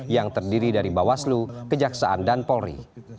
yang terdiri dari bawah slu kejaksaan dan polri